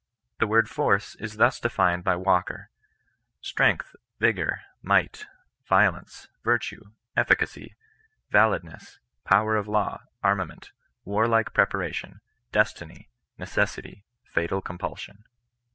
The word force is thus defined by Walker, " strength, vigour, might, violence, virtue, efiicacy, valid ness, power of law, armament^ warlike preparation^ des OHEIBTUN NON RB8ISTA2rCE. 5 tiny, necessity, fatal compulsion."